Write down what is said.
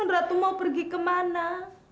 ratu mau pergi kemana